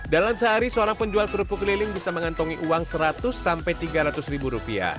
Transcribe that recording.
dalam sehari seorang penjual kerupuk keliling bisa mengantongi uang rp seratus tiga ratus